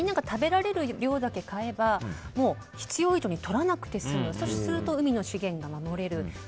食べられる量だけ買えば必要以上にとらなくて済むすると、海の資源を守れる。